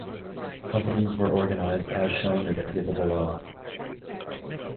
Companies were organized as shown in the table below.